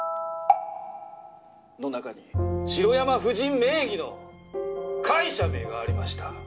「の中に城山夫人名義の会社名がありました」